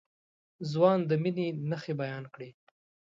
ځوان د مينې نښې بيان کړې.